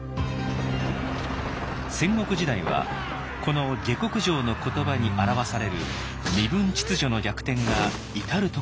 戦国時代はこの「下剋上」の言葉に表される身分秩序の逆転が至る所で起こっていました。